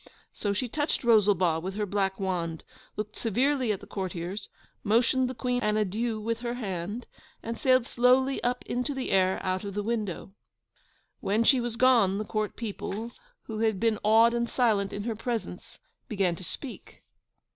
So she touched Rosalba with her black wand, looked severely at the courtiers, motioned the Queen an adieu with her hand, and sailed slowly up into the air out of the window. When she was gone, the Court people, who had been awed and silent in her presence, began to speak.